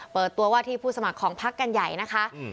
เปิดตัวว่าที่ผู้สมัครของภักดิ์การเมืองกันใหญ่นะคะอืม